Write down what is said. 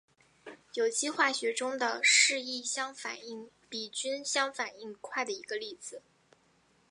有机化学中的是异相反应比均相反应快的一个例子。